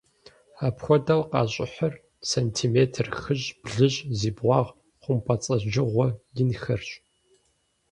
Апхуэдэу къащӀыхьыр сантиметр хыщӀ-блыщӀ зи бгъуагъ хъумпӀэцӀэджыгъуэ инхэрщ.